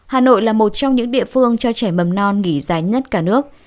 hà nội là một trong những địa phương cho trẻ mầm non nghỉ giá nhất cả nước